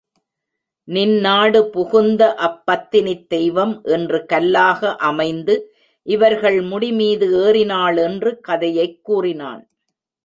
நின்னாடு புகுந்த அப்பத்தினித் தெய்வம் இன்று கல்லாக அமைந்து இவர்கள் முடிமீது எறினாள் என்று கதையைக் கூறினான்.